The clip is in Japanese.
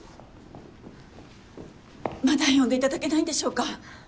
まだ呼んでいただけないんでしょうか？